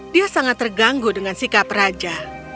dia sangat terganggu dengan sikap raja